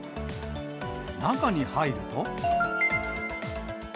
中に入ると。